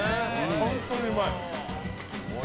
本当にうまい。